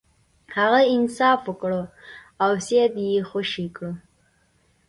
هغه انصاف وکړ او سید یې خوشې کړ.